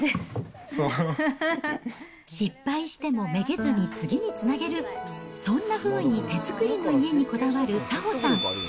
失敗してもめげずに次につなげる、そんなふうに手作りの家にこだわる早穂さん。